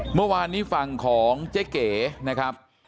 เมื่อวานนี้ฝั่งของเจ๊เก๋นะครับ